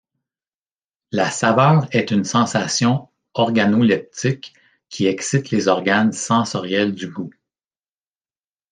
La saveur est une sensation organoleptique qui excite les organes sensoriels du goût.